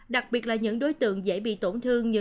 đặc biệt là những đối tượng dễ bị tổn thương như người cao trung